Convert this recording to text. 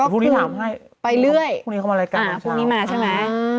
พรุ่งนี้ถามให้พรุ่งนี้เขามารายการตอนเช้า